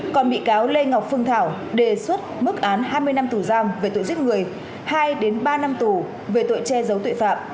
còn bị cáo lê ngọc phương thảo đề xuất mức án hai mươi năm tù giam về tội giết người hai ba năm tù về tội che giấu tội phạm